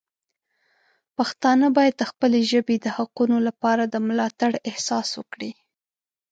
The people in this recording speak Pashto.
پښتانه باید د خپلې ژبې د حقونو لپاره د ملاتړ احساس وکړي.